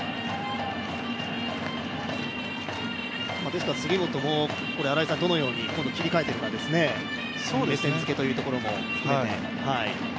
ですから杉本もどのように切り替えているかですね、目線づけというところも含めて。